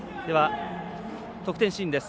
得点シーンです。